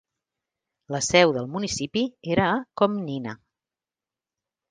La seu del municipi era a Komnina.